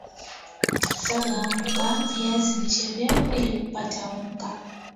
saga unga viazi lishe vyako ili kupaata unga